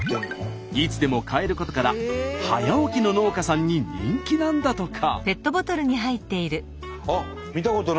いつでも買えることから早起きの農家さんに人気なんだとか。